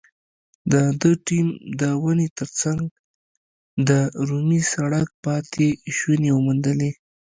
د ده ټیم د ونې تر څنګ د رومي سړک پاتې شونې وموندلې.